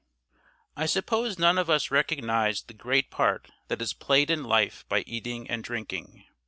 I suppose none of us recognise the great part that is played in life by eating and drinking.